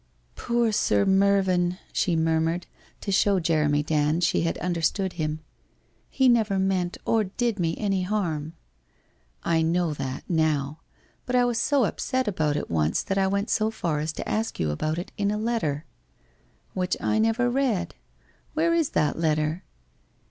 ' Poor Sir Mervyn !' she murmured, to show Jeremy Dand she had understood him. i He never meant or did me any harm.' ' I know that, now. But I was so upset about it once, that I went so far as to ask you about it in a letter.' * Which I never read. Where is that letter